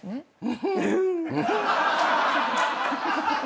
フフフ。